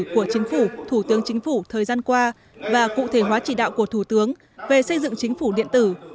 của chính phủ thủ tướng chính phủ thời gian qua và cụ thể hóa chỉ đạo của thủ tướng về xây dựng chính phủ điện tử